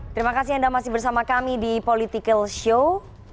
terima kasih anda masih bersama kami di political show